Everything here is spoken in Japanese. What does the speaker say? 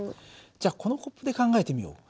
じゃあこのコップで考えてみよう。